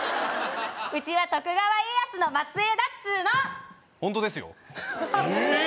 うちは徳川家康の末裔だっつーのホントですよ・えっ！